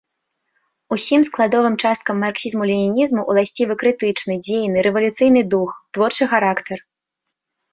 Усім складовым часткам марксізму-ленінізму ўласцівы крытычны, дзейны, рэвалюцыйны дух, творчы характар.